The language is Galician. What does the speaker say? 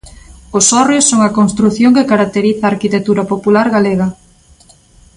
Os hórreos son a construción que caracteriza a arquitectura popular galega.